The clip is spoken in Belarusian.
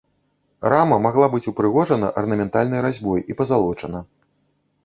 Рама магла быць упрыгожана арнаментальнай разьбой і пазалочана.